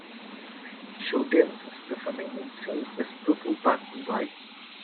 Show dancers performing in sync with purple background lights.